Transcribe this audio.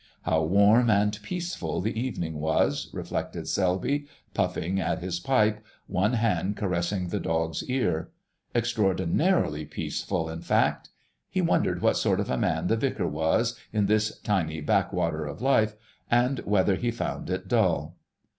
How warm and peaceful the evening was, reflected Selby, puffing at his pipe, one hand caressing the dog's ear. Extraordinarily peaceful, in fact.... He wondered what sort of a man the vicar was, in this tiny backwater of life, and whether he found it dull....